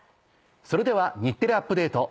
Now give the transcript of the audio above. それでは『日テレアップＤａｔｅ！』